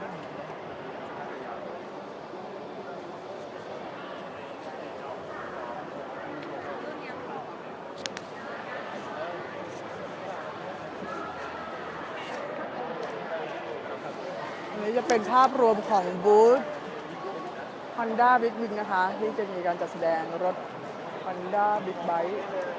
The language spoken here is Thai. อันนี้จะเป็นภาพรวมของบูธฮอนด้าบิ๊กวินนะคะที่จะมีการจัดแสดงรถฮอนด้าบิ๊กไบท์